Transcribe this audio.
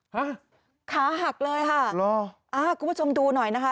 ฮะขาหักเลยค่ะหรออ่าคุณผู้ชมดูหน่อยนะคะ